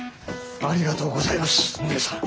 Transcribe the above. ありがとうございますお姉さん。